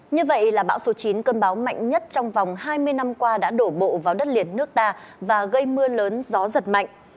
như vậy là bão số chín cơn bão mạnh nhất trong vòng hai mươi năm qua đã đổ bộ vào đất liền nước ta và gây mưa lớn gió giật mạnh